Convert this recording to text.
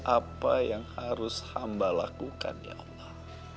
apa yang harus hamba lakukan ya allah